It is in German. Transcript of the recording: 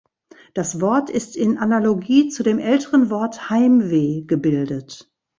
Das Wort ist in Analogie zu dem älteren Wort „Heimweh“ gebildet.